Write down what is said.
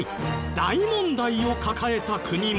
大問題を抱えた国も。